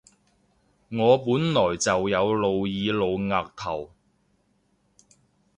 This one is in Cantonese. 我本來就有露耳露額頭